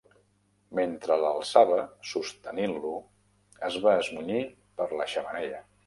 Mentre l'alçava sostenint-lo, es va esmunyir per la xemeneia.